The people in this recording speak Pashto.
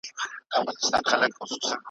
زه د پېړیو ګیله منو پرهارونو آواز `